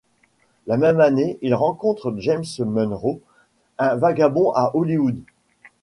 La même année il rencontre James Munro, un vagabond à Hollywood.